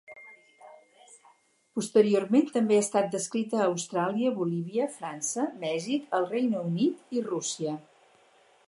Posteriorment també ha estat descrita a Austràlia, Bolívia, França, Mèxic, el Regne Unit i Rússia.